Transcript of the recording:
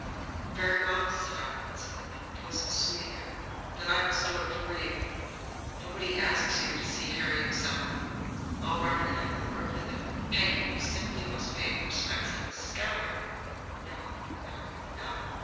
"Very well," said Aunt Elizabeth. Her voice was sweet again. "Then I must do it for you. Nobody asks you to see Harry himself. I'll run in and have a word with him but, Peggy, you simply must pay your respects to Mrs. Goward." "No! no! no!"